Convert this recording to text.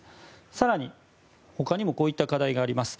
更にほかにもこういった課題があります。